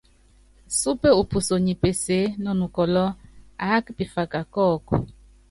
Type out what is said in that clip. Súpe upuso nyi peseé nɔ nukɔlɔ́, aáka pifaka kɔ́ɔku.